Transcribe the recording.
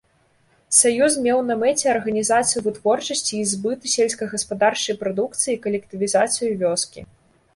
Саюз меў на мэце арганізацыю вытворчасці і збыту сельскагаспадарчай прадукцыі, калектывізацыю вёскі.